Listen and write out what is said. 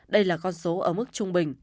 đây là con số ở mức trung bình